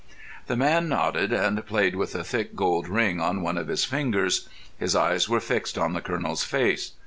The man nodded, and played with a thick gold ring on one of his fingers. His eyes were fixed on the Colonel's face.